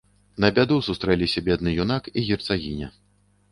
На бяду сустрэліся бедны юнак і герцагіня.